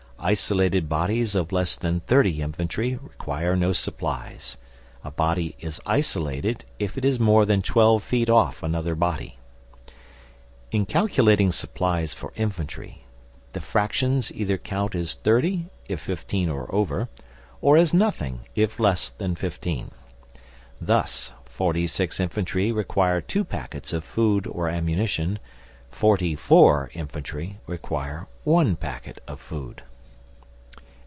Isolated bodies of less than thirty infantry require no supplies a body is isolated if it is more than twelve feet off another body. In calculating supplies for infantry the fractions either count as thirty if fifteen or over, or as nothing if less than fifteen. Thus forty six infantry require two packets of food or ammunition; forty four infantry require one packet of food.